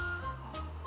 あ。